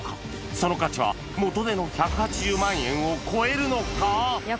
その価値は元値の１８０万円を超えるのか？